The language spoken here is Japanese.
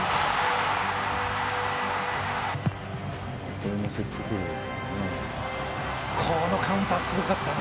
これもセットプレーからですからね。